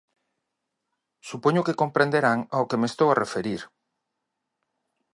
Supoño que comprenderán ao que me estou a referir.